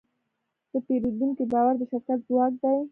د پیرودونکي باور د شرکت ځواک دی.